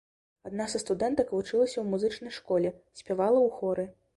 Адна са студэнтак вучылася ў музычнай школе, спявала ў хоры.